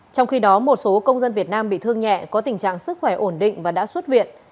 trong khi đó một số công dân việt nam bị thương nhẹ có tình trạng sức khỏe ổn định và đã xuất viện